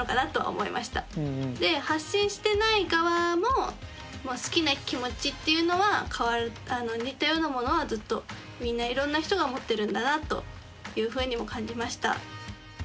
で発信してない側も好きな気持ちっていうのは似たようなものはずっとみんないろんな人が持ってるんだなというふうにも感じました。